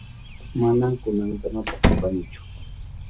Manam kunankamapas tupanichu.